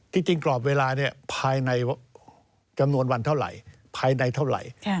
จริงกรอบเวลาภายในจำนวนวันเท่าไหร่ภายในเท่าไหร่